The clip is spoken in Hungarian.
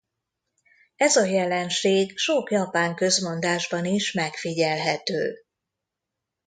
Ez a jelenség sok japán közmondásban is megfigyelhető.